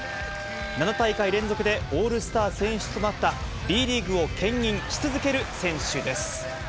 ７大会連続でオールスター選出となった、Ｂリーグをけん引し続ける選手です。